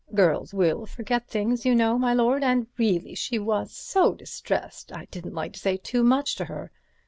Girls will forget things, you know, my lord, and reely she was so distressed I didn't like to say too much to her.